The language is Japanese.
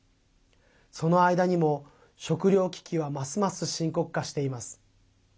その間にも食糧危機はますます深刻化しています。